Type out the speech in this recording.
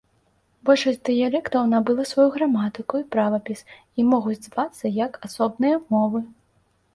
Большасць дыялектаў набыла сваю граматыку і правапіс і могуць звацца як асобныя мовы.